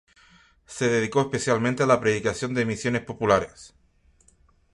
Se dedicó especialmente a la predicación de misiones populares.